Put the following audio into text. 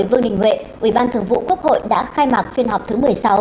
vương đình huệ ủy ban thường vụ quốc hội đã khai mạc phiên họp thứ một mươi sáu